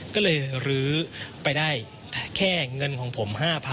ก็เลยรื้อไปได้แค่เงินของผม๕๐๐๐